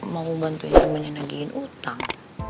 mau bantuin temennya nagiin utang